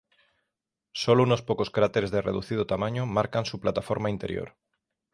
Sólo unos pocos cráteres de reducido tamaño marcan su plataforma interior.